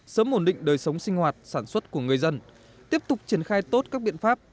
sớm ổn định đời sống sinh hoạt sản xuất của người dân tiếp tục triển khai tốt các biện pháp